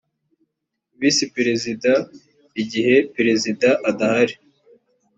visi perezida igihe perezida adahari